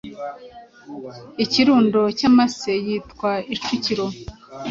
Ikirundo cy’amase cyitwa Icukiro